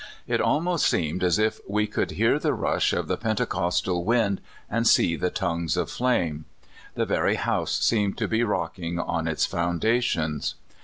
It almost seemed as if we could hear the rush of the pentecostal wind, and see the tongues of flame. The very house seemed to be rocking on its foundations.